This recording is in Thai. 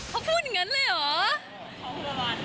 เขาพูดอย่างนั้นเลยเหรอ